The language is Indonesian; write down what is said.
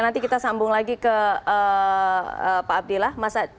nanti kita sambung lagi ke pak abdillah